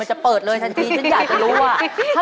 จะเปิดเลยทันทีฉันอยากจะรู้ว่า